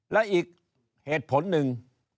และอีกเหตุผลหนึ่ง